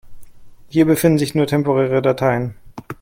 Hier befinden sich nur temporäre Dateien.